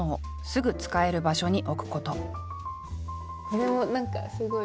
これも何かすごい。